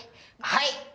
はい！